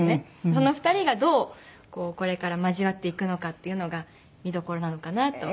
その２人がどうこれから交わっていくのかっていうのが見どころなのかなと。